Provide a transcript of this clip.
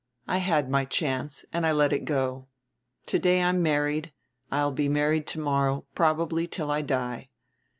I had my chance and I let it go. To day I'm married, I'll be married to morrow, probably till I die.